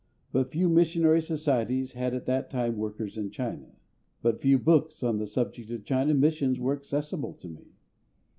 But few missionary societies had at that time workers in China, and but few books on the subject of China missions were accessible to me.